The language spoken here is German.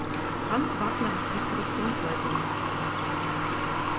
Franz Wagner hatte die Produktionsleitung.